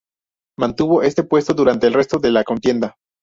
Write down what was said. Mantuvo este puesto durante el resto de la contienda.